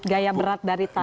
gaya berat dari tanah atau